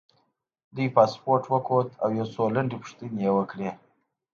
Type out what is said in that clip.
دوی پاسپورټ وکوت او یو څو لنډې پوښتنې یې وکړې.